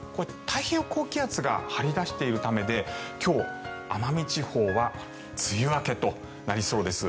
太平洋高気圧が張り出しているためで今日、奄美地方は梅雨明けとなりそうです。